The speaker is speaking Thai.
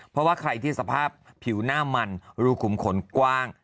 เพราะว่าใครที่สภาพผิวหน้ามันรูขุมขนกว้าง